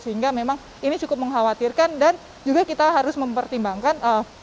sehingga memang ini cukup mengkhawatirkan dan juga kita harus mempertimbangkan